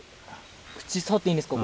口触っていいんですか？